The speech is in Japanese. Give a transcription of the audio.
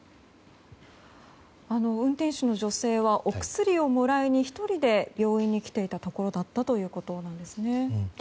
運転手の女性はお薬をもらいに１人で病院に来ていたところだったということです。